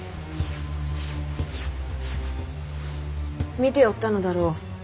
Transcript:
見ておったのだろう。